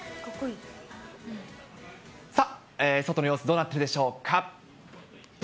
さあ、外の様子、どうなってるでしょうか。